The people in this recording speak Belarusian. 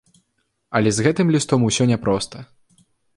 Але з гэтым лістом усё няпроста.